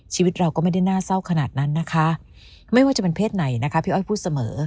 ชีวิตเราก็ไม่ได้น่าเศร้าขนาดนั้นนะคะไม่ว่าจะเป็นเพศไหนนะคะพี่อ้อยพูดเสมอ